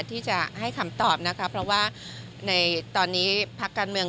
ที่จะให้คำตอบนะคะเพราะว่าในตอนนี้พักการเมือง